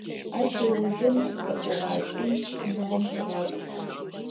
Ащ ыужым тызэӀугъакӀи, киноум тыгъакӀу.